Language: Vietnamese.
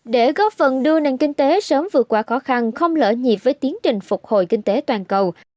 để góp phần đưa nền kinh tế sớm vượt qua khó khăn không lỡ nhịp với tiến trình phục hồi kinh tế toàn cầu